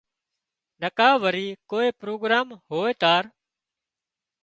نڪا وري ڪوئي پروگران هوئي تار